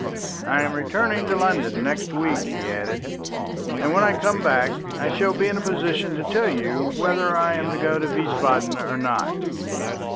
"I am returning to London next week," he added, "and when I come back I shall be in a position to tell you whether I am to go to Wiesbaden or not."